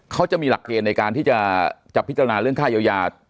เขาจะมีหลักเกณฑ์ในการที่จะพิจารณาเรื่องค่าเยียวยา